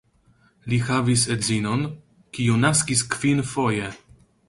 Li havis edzinon, kiu naskis kvinfoje.